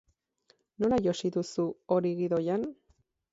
Nola josi duzu hori gidoian?